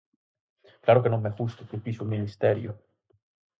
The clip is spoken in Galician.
Claro que non me gusta o que fixo o Ministerio.